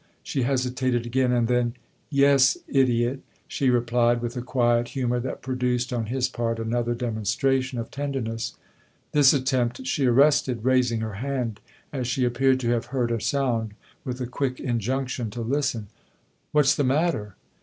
She hesitated again, and then, " Yes idiot !" she replied with a quiet humour that produced, on his part, another demonstration of tenderness. This attempt she arrested, raising her hand, as she appeared to have heard a sound, with a quick injunction to listen. " What's the matter